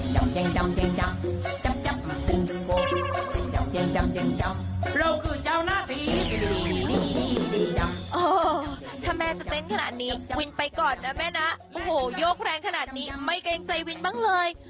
ถ้าแม่จะเต้นขนาดนี้วินไปก่อนนะแม่นะโอ้โหโยกแรงขนาดนี้ไม่เกรงใจวินบ้างเลย